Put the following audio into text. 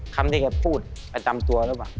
คำที่แกพูดประจำตัวหรือเปล่า